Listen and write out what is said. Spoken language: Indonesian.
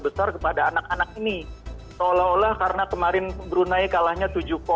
besar kepada anak anak ini seolah olah karena kemarin brunei kalahnya tujuh puluh seolah olah sekarang